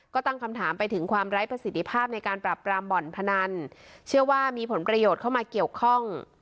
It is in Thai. ก็ตั้งคำถามไปถึงความไร้ประสิทธิภาพในการปรับปรามบ่อนพนันเชื่อว่ามีผลประโยชน์เข้ามาเกี่ยวข้อง